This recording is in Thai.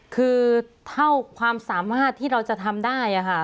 คือเท่าความสามารถที่เราจะทำได้ค่ะ